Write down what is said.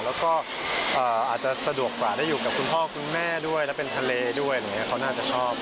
แล้วก็อาจจะสะดวกกว่าได้อยู่กับคุณพ่อคุณแม่ด้วยแล้วเป็นทะเลด้วยอะไรอย่างนี้เขาน่าจะชอบ